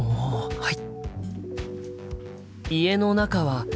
はい！